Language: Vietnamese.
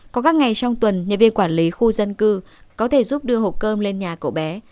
có các ngày trong tuần nhân viên quản lý khu dân cư có thể giúp đưa hộp cơm lên nhà cậu bé